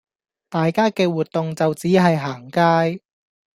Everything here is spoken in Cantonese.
大家嘅活動就只係行街